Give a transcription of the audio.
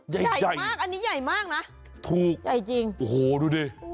ใหญ่ใหญ่มากอันนี้ใหญ่มากนะถูกใหญ่จริงโอ้โหดูดิ